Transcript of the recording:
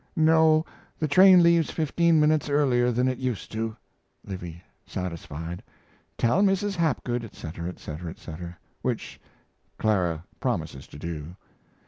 No, the train leaves fifteen minutes earlier than it used to. L. (satisfied). Tell Mrs. Hapgood, etc., etc., etc. (which Clara promises to do).